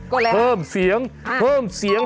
เข้าไปเพิ่มเสียง